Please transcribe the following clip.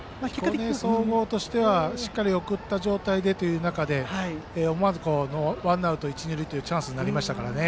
彦根総合としては送った状態でという中でワンアウトで一、二塁というチャンスになりましたからね。